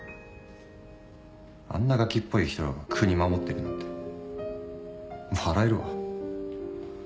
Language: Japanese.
あんなガキっぽい人らが国守ってるなんて笑えるわ。